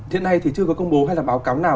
hiện nay thì chưa có công bố hay là báo cáo nào